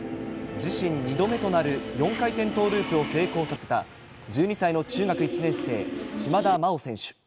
自身２度目となる４回転トーループを成功させた１２歳の中学１年生、島田麻央選手。